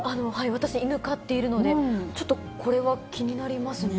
私、犬飼っているので、ちょっとこれは気になりますね。